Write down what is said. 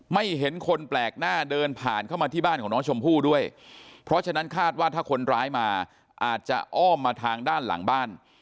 ไม่เห็นคนแปลกหน้าเดินผ่านเข้ามาที่บ้านของน้องชมพู่ด้วยเพราะฉะนั้นคาดว่าถ้าคนร้ายมาอาจจะอ้อมมาทางด้านหลังบ้าน